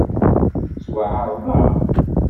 Ttwaεerḍeɣ?